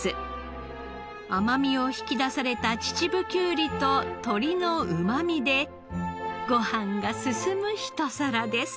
甘みを引き出された秩父きゅうりと鶏のうまみでご飯が進む一皿です。